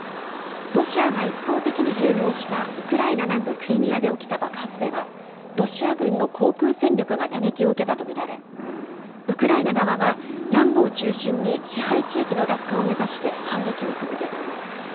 ロシアが一方的に併合したウクライナ南部クリミアで起きた爆発では、ロシア軍の航空戦力が打撃を受けたとみられ、ウクライナ側は、南部を中心に支配地域の奪還を目指して、反撃を続けています。